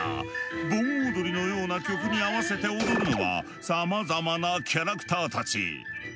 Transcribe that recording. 盆踊りのような曲に合わせて踊るのはさまざまなキャラクターたち。